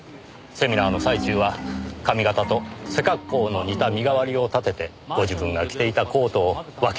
セミナーの最中は髪型と背格好の似た身代わりを立ててご自分が着ていたコートを脇に置かせたんです。